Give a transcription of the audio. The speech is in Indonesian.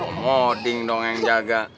obading dong yang jaga